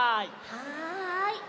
はい。